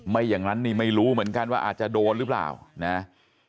ไม่อย่างนั้นนี่ไม่รู้เหมือนกันว่าอาจจะโดนหรือเปล่านะ